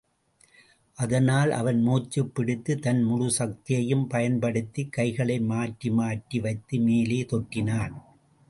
அதனால் அவன் மூச்சுப் பிடித்து, தன் முழு சக்தியையும் பயன்படுத்திக் கைகளை மாற்றிமாற்றி வைத்து மேலே தொற்றினான்.